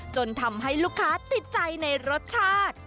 จนทำให้ลูกค้าติดใจในรสชาติ